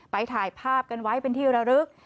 ถ่ายภาพกันไว้เป็นที่ระลึก